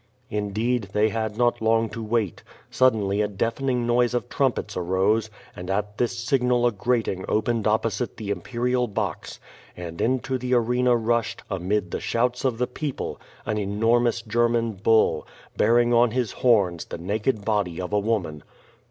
Indeed, they had not long to wait. Suddenly a deafening noise of trumpets arose, and at this signal a grating opened opposite the imperial box, and into the arena rushed, amid the shouts of the people, an enormous German bull, bearing on his horns the naked body of a woman.